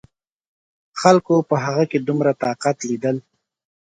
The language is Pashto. خلکو په هغه کې دومره طاقت لیدل.